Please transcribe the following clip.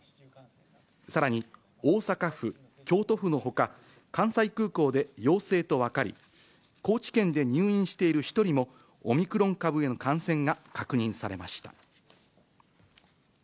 さらに、大阪府、京都府のほか、関西空港で陽性と分かり、高知県で入院している１人も、オミクロン株への感染が確認されました。